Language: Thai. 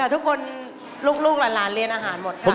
ใช่ค่ะทุกคนลูกหลานเรียนอาหารหมดครับ